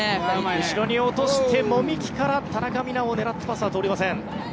後ろに落として籾木から田中美南を狙ったパスは通りません。